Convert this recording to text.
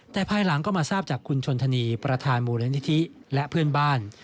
แต่ภายหลังก็มาทราบจากคุณชนธนีประธานมูลนิธิและเพื่อนบ้าน